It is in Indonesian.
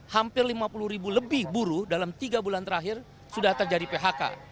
hampir lima puluh ribu lebih buruh dalam tiga bulan terakhir sudah terjadi phk